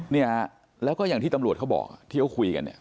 เนี่ยแล้วก็อย่างที่ตำรวจเขาบอกที่เขาคุยกันเนี่ย